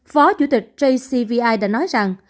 phó chủ tịch jcvi đã nói rằng